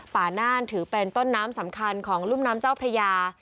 น่านถือเป็นต้นน้ำสำคัญของรุ่มน้ำเจ้าพระยา